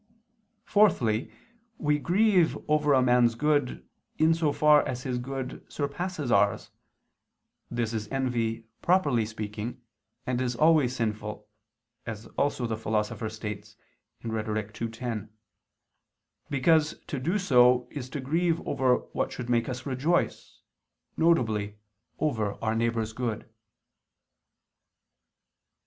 Fourthly, we grieve over a man's good, in so far as his good surpasses ours; this is envy properly speaking, and is always sinful, as also the Philosopher states (Rhet. ii, 10), because to do so is to grieve over what should make us rejoice, viz. over our neighbor's good.